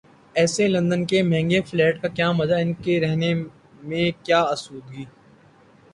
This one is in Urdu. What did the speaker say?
ایسے لندن کے مہنگے فلیٹ کا کیا مزہ، ان کے رہنے میں کیا آسودگی؟